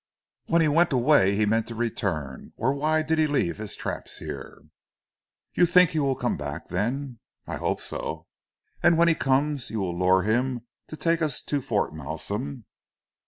"When he went away he meant to return, or why did he leave his traps here?" "You think he will come back then?" "I hope so!" "And when he comes you will lure him to take us to Fort Malsun?"